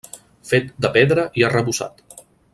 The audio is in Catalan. Fet de pedra i arrebossat.